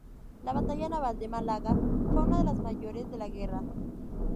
La batalla naval de Málaga fue una de las mayores de la guerra.